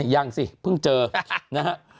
ยังสิเพิ่งเจอนะฮะ